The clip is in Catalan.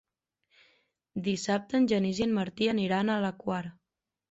Dissabte en Genís i en Martí aniran a la Quar.